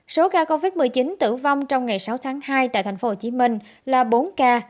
số ca covid một mươi chín tử vong trong ngày sáu tháng hai tại tp hcm là bốn ca